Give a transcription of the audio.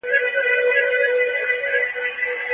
د هغې پلمې تر شا څه وه؟